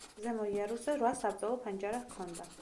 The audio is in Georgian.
ზემო იარუსზე რვა საბრძოლო ფანჯარა ჰქონდა.